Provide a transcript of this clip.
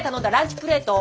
プレート。